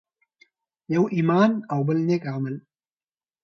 يو ایمان او بل نیک عمل.